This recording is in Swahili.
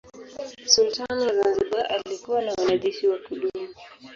Sultani wa Zanzibar alikuwa na wanajeshi wa kudumu.